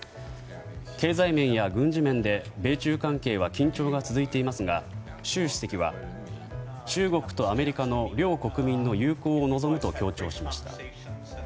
経済面や軍事面で米中関係は緊張が続いていますが習主席は中国とアメリカの両国民の友好を望むと強調しました。